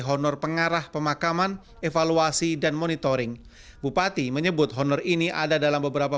honor pengarah pemakaman evaluasi dan monitoring bupati menyebut honor ini ada dalam beberapa